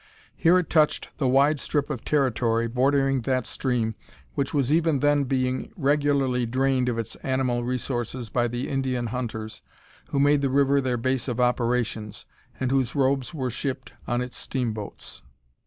Here it touched the wide strip of territory, bordering that stream, which was even then being regularly drained of its animal resources by the Indian hunters, who made the river their base of operations, and whose robes were shipped on its steam boats.